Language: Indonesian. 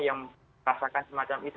yang merasakan semacam itu